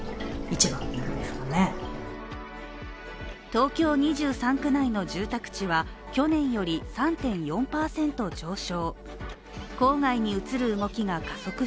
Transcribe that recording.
東京２３区内の住宅地は去年より３．４％上昇。